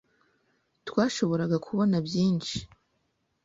Twashoboraga kubona byinshi.